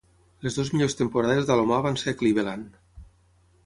Les dues millors temporades d'Alomar van ser a Cleveland.